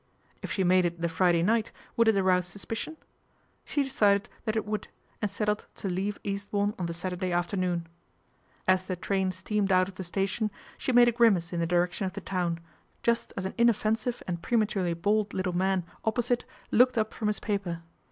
If she made it the Friday night, would it arouse sus picion ? She decided that it would, and settled to leave Eastbourne on the Saturday afternoon. As the train steamed out of the station she made a grimace in the direction of the town, just as an inoffensive and prematurely bald little man oppo site looked up from his paper.